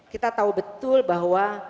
kita tahu betul bahwa